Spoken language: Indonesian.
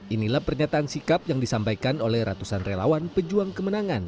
inilah pernyataan sikap yang disampaikan oleh ratusan relawan pejuang kemenangan